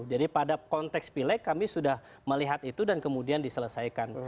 jadi pada konteks pilek kami sudah melihat itu dan kemudian diselesaikan